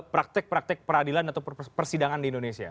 praktek praktek peradilan atau persidangan di indonesia